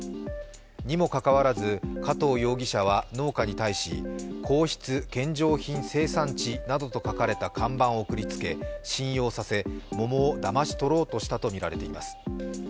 にもかかわらず加藤容疑者は農家に対し皇室献上品生産地などと書かれた看板を送りつけ信用させ、桃をだまし取ろうとしたとみられています。